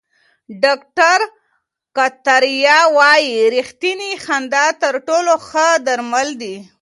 ډاکټر کتاریا وايي ریښتینې خندا تر ټولو ښه درمل دي.